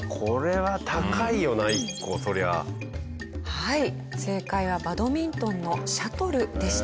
はい正解はバドミントンのシャトルでした。